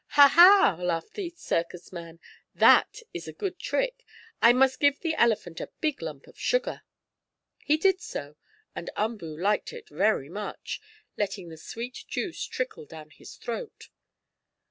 "Ha! Ha!" laughed the circus man. "That is a good trick! I must give the elephant a big lump of sugar." He did so, and Umboo liked it very much, letting the sweet juice trickle down his throat.